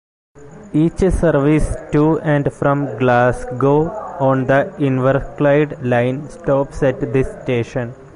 Each service to and from Glasgow on the Inverclyde Line stops at this station.